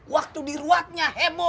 waktu diruatnya heboh